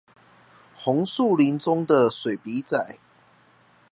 紅樹林中的水筆仔